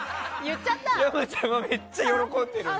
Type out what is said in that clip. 山ちゃんはめっちゃ喜んでる。